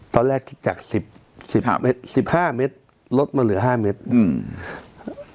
ตอนแรกคิดจาก๑๕เมตรลดมาเหลือ๕เมตร